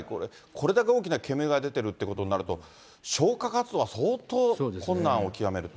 これだけ大きな煙が出てるっていうことになると、消火活動は相当困難を極めると。